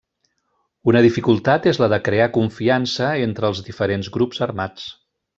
Una dificultat és la de crear confiança entre els diferents grups armats.